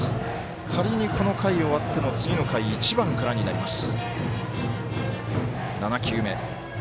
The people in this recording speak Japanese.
仮に、この回終わっても次の回、１番からになります。